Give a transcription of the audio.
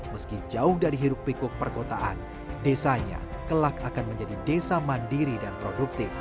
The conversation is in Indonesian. meski jauh dari hiruk pikuk perkotaan desanya kelak akan menjadi desa mandiri dan produktif